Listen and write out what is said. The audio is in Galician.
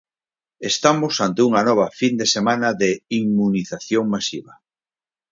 Estamos ante unha nova fin de semana de inmunización masiva.